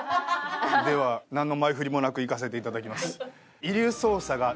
ではなんの前振りもなくいかせていただきます。